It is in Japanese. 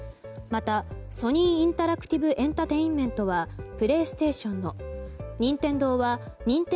また、ソニー・インタラクティブエンタテインメントはプレイステーションを任天堂は